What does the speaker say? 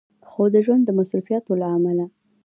خو د ژوند د مصروفياتو له عمله